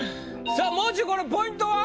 さあもう中これポイントは？